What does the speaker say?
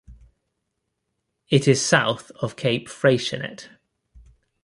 It is south of Cape Freycinet.